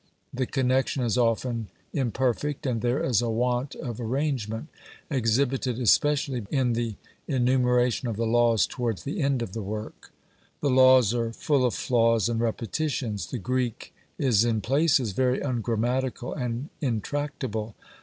The connection is often imperfect; and there is a want of arrangement, exhibited especially in the enumeration of the laws towards the end of the work. The Laws are full of flaws and repetitions. The Greek is in places very ungrammatical and intractable.